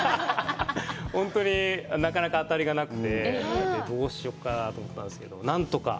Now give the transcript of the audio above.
本当になかなか当たりがなくて、どうしようかなと思ったんですけど、何とか。